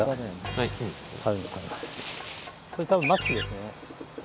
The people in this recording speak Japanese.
これ多分マスクですね。